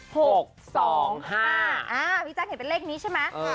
พี่แจ๊คเห็นเป็นเลขนี้ใช่ไหม